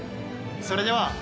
それでは。